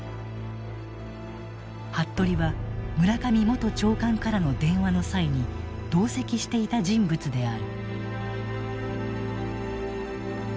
服部は村上元長官からの電話の際に同席していた人物である。